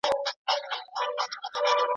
نصیب خرسالاري وي